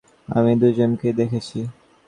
আমি দুজনকেই দেখেছি।